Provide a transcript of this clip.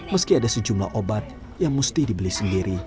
meski ada sejumlah obat yang mesti dibeli sendiri